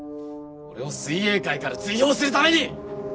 俺を水泳界から追放するために！